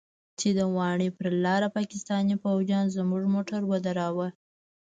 چې د واڼې پر لاره پاکستاني فوجيانو زموږ موټر ودراوه.